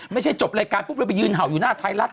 ไม่ใช่จบรายการปุ้บเลยไปยืนเห่าอยู่หน้าไทยรัตว์